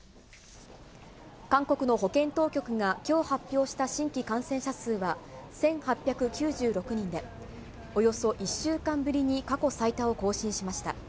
韓国の保健当局がきょう発表した新規感染者数は、１８９６人で、およそ１週間ぶりに過去最多を更新しました。